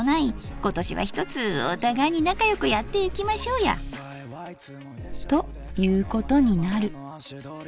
今年は一つお互いに仲よくやってゆきましょうや』ということになる。